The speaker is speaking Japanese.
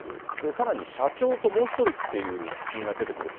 さらに社長ともう１人っていう人間が出てくる。